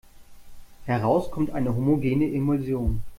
Heraus kommt eine homogene Emulsion.